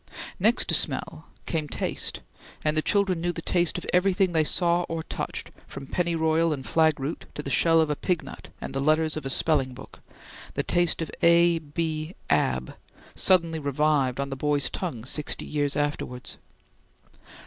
Next to smell came taste, and the children knew the taste of everything they saw or touched, from pennyroyal and flagroot to the shell of a pignut and the letters of a spelling book the taste of A B, AB, suddenly revived on the boy's tongue sixty years afterwards.